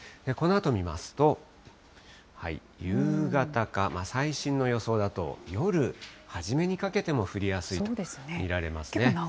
このあと見ますと、夕方か、最新の予想だと夜初めにかけても降りやすいと見られますね。